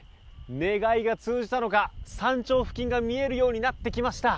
願いが通じたのか、山頂付近が見えるようになってきました。